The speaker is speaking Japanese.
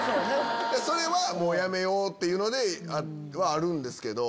それはもうやめようっていうのではあるんですけど。